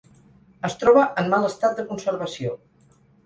Es troba en mal estat de conservació.